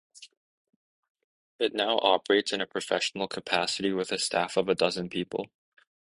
It now operates in a professional capacity with a staff of a dozen people.